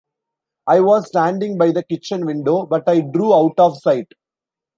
I was standing by the kitchen-window, but I drew out of sight.